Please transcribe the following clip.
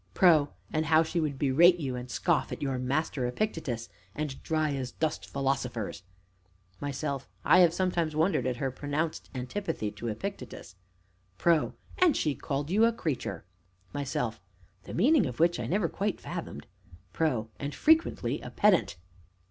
PRO. And how she would berate you and scoff at your Master Epictetus, and dry as dust philosophers! MYSELF. I have sometimes wondered at her pronounced antipathy to Epictetus. PRO. And she called you a "creature." MYSELF. The meaning of which I never quite fathomed. PRO. And, frequently, a "pedant."